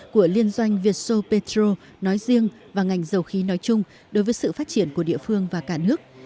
của liên doanh vietso petro nói riêng và ngành dầu khí nói chung đối với sự phát triển của địa phương và cả nước